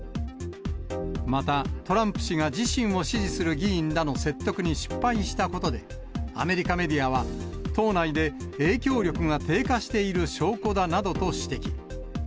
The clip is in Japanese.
また、トランプ氏が自身を支持する議員らの説得に失敗したことで、アメリカメディアは、党内で影響力が低下している証拠だなどと指摘。